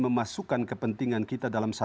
memasukkan kepentingan kita dalam